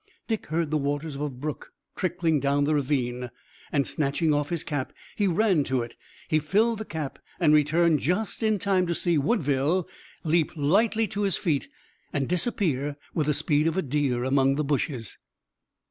Dick heard the waters of a brook trickling down the ravine, and, snatching off his cap, he ran to it. He filled the cap and returned just in time to see Woodville leap lightly to his feet and disappear with the speed of a deer among the bushes.